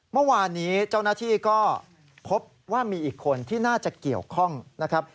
เมื่อวานนี้เจ้าหน้าที่ก็พบว่ามีอีกคนที่น่าจะเกี่ยวข้องนะครับ